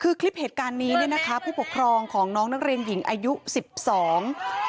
คือคลิปเหตุการณ์นี้เนี่ยนะคะผู้ปกครองของน้องนักเรียนหญิงอายุสิบสอง